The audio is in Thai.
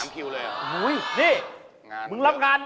๓คิวเลยเหรอ